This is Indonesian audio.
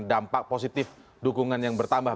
dampak positif dukungan yang bertambah